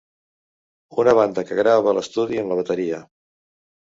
Una banda que grava a l'estudi amb la bateria.